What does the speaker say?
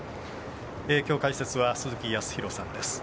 きょう解説は鈴木康弘さんです。